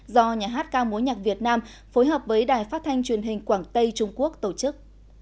do nhà hát ca mối nhạc việt nam phối hợp với đài phát thanh truyền hình quảng tây trung quốc tổ chức